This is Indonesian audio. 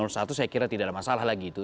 saya kira tidak ada masalah lagi itu